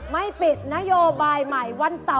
พี่เก๋พี่เก๋